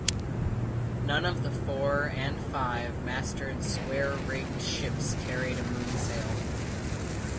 None of the four- and five-masted square rigged ships carried a moonsail.